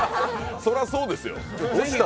そらそうですよ。